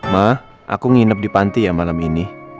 ma aku nginep di panti ya malam ini